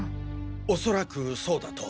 おそらくそうだと。